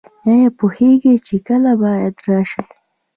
ایا پوهیږئ چې کله باید راشئ؟